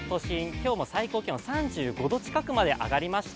今日も最高気温３５度近くまで上がりました。